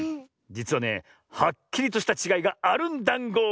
じつはねはっきりとしたちがいがあるんだんご。